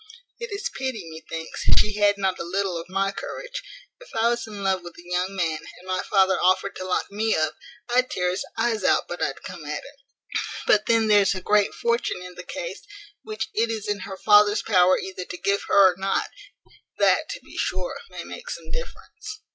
It is pity, methinks, she had not a little of my courage. If I was in love with a young man, and my father offered to lock me up, I'd tear his eyes out but I'd come at him; but then there's a great fortune in the case, which it is in her father's power either to give her or not; that, to be sure, may make some difference."